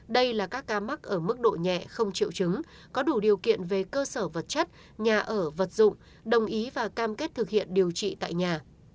đây là các ca mắc ở mức độ nhẹ không chịu chứng có đủ điều kiện về cơ sở vật chất nhà ở vật dụng đồng ý và cam kết thực hiện điều trị tại nhà